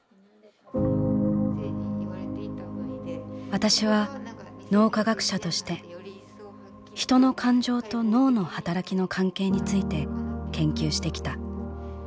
「私は脳科学者としてヒトの感情と脳の働きの関係について研究してきた。